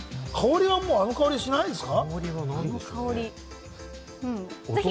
香りはもう、あの香りがしないですか？